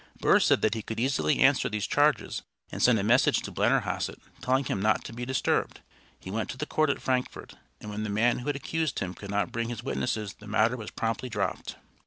Burr said that he could easily answer these charges, and sent a message to Blennerhassett, telling him not to be disturbed. He went to the court at Frankfort, and when the man who had accused him could not bring his witnesses the matter was promptly dropped.